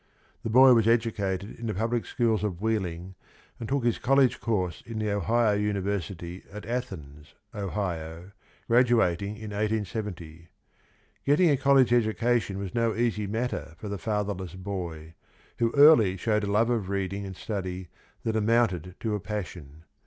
The boy was educated in the public schools of Wheeling and took his col lege course in the Ohio University at Athens, Ohio, graduating in 1870. Getting a college education was no easy matter for the fatherless boy, who early showed a love of reading and study that amounted to a passion.